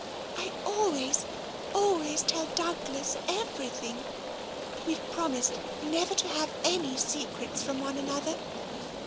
" I always, always tell Douglas everything. We've promised never to have any secrets from one another.